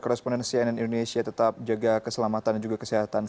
korrespondensi ann indonesia tetap jaga keselamatan dan juga kesehatan